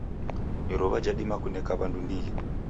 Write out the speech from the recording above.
Iruwa jadima kuneka wandu ndighi